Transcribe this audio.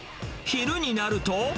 昼になると。